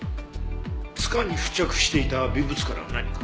柄に付着していた微物からは何か？